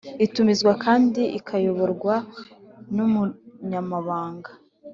itumizwa kandi ikayoborwa n Umunyamabanga